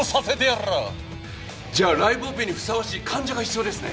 じゃあライブオペにふさわしい患者が必要ですね。